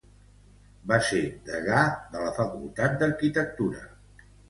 Va ser degà de la Facultat d'Arquitectura.